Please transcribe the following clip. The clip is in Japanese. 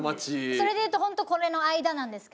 それで言うと本当これの間なんですけど。